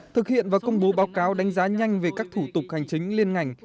thực hiện và công bố báo cáo đánh giá nhanh về các thủ tục hành chính liên ngành